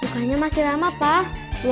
bukannya masih lama pak